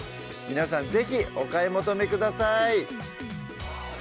皆さん是非お買い求めください